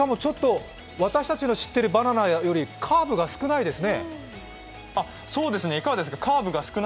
私たちの知ってるバナナよりカーブが少ないですね。